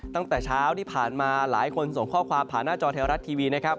ตั้งแต่เช้าที่ผ่านมาหลายคนส่งข้อความผ่านหน้าจอไทยรัฐทีวีนะครับ